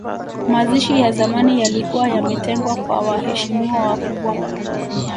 Mazishi ya zamani yalikuwa yametengwa kwa waheshimiwa wakubwa